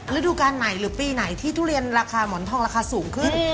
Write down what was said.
ฤดูการไหนหรือปีไหนที่ทุเรียนราคาหมอนทองราคาสูงขึ้น